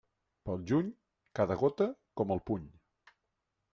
Pel juny, cada gota, com el puny.